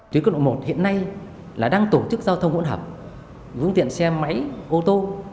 tuyến cơ đội một hiện nay đang tổ chức giao thông hỗn hợp vũng tiện xe máy ô tô